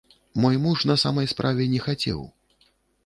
Мой муж, на самай справе, не хацеў.